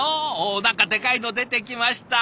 おお何かでかいの出てきました！